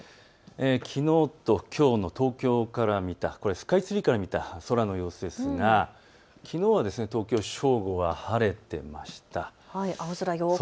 きのうときょうの東京から見たスカイツリーから見た空の様子ですがきのうは東京、正午は晴れていました。